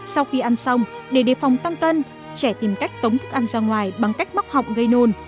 sau khi ăn xong để đề phòng tăng tân trẻ tìm cách tống thức ăn ra ngoài bằng cách bóc họng gây nôn